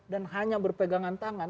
dan hanya berpegangan tangan